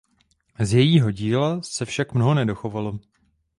Z jejího díla se však mnoho nedochovalo.